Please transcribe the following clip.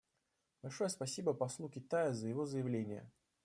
Большое спасибо послу Китая за его заявление.